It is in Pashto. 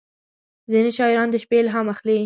• ځینې شاعران د شپې الهام اخلي.